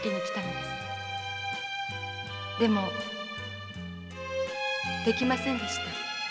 でもできませんでした。